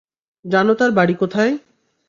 জানো তার বাড়ি কোথায়?